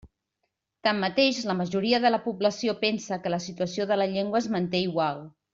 Tanmateix, la majoria de la població pensa que la situació de la llengua es manté igual.